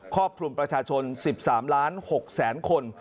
ครอบคลุมประชาชน๑๓ล้าน๖แสนคน